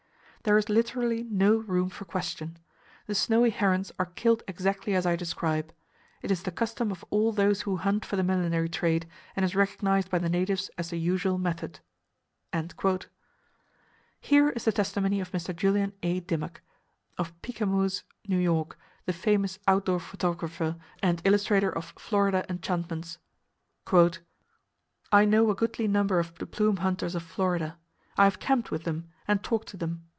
"There is literally no room for question. The snowy herons are killed exactly as I describe. It is the custom of all those who hunt for the millinery trade, and is recognized by the natives as the usual method." Here is the testimony of Mr. Julian A. Dimock, of Peekamose, N.Y., the famous outdoor photographer, and illustrator of "Florida Enchantments": "I know a goodly number of the plume hunters of Florida. I have camped with them, and talked to them.